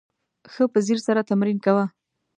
ښه په ځیر سره تمرین کوه !